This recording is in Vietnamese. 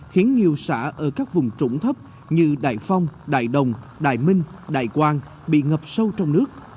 khiến nhiều xã ở các vùng trũng thấp như đại phong đại đồng đài minh đại quang bị ngập sâu trong nước